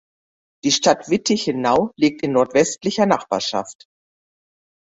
Die Stadt Wittichenau liegt in nordwestlicher Nachbarschaft.